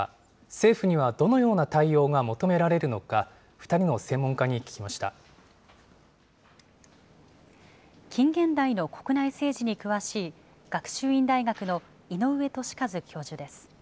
政府にはどのような対応が求められるのか、２人の専門家に聞きま近現代の国内政治に詳しい、学習院大学の井上寿一教授です。